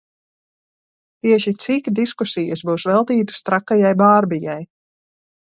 Tieši cik diskusijas būs veltītas trakajai Bārbijai?